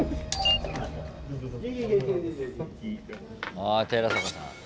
あ寺坂さん。